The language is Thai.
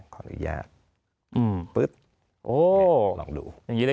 ขออนุญาต